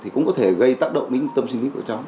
thì cũng có thể gây tác động đến tâm sinh lý của cháu